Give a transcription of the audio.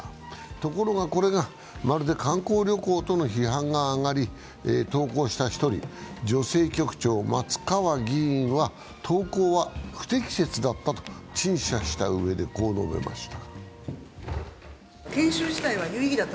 ところがこれがまるで観光旅行との批判が上がり投稿した１人、女性局長、松川議員は投稿は不適切だったと陳謝したうえでこう述べました。